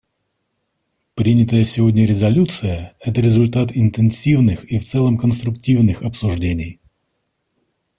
Принятая сегодня резолюция — это результат интенсивных и в целом конструктивных обсуждений.